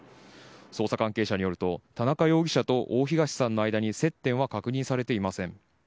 捜査関係者によると田中容疑者と大東さんの間に接点は確認されていません。